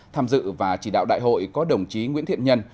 tham dự và chỉ đạo đại hội có đồng chí nguyễn thiện nhân